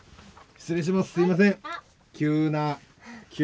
失礼します。